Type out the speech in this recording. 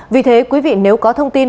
vì thế quý vị nếu có thông tin